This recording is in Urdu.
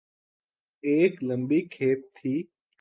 ایک لمبی کھیپ تھی۔